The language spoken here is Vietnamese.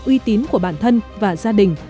uy tín của bản thân và gia đình